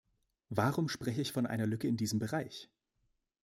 Warum spreche ich von einer Lücke in diesem Bereich?